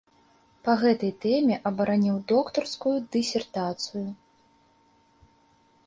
Па гэтай тэме абараніў доктарскую дысертацыю.